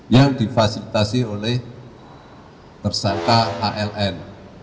yang difasilitasi oleh tersangka aln